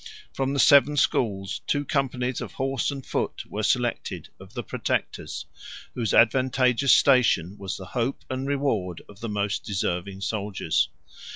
158 From the seven schools two companies of horse and foot were selected, of the protectors, whose advantageous station was the hope and reward of the most deserving soldiers.